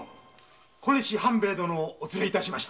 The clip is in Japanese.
小西半兵衛殿をお連れ致しました。